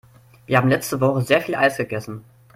Wir haben letzte Woche sehr viel Eis gegessen.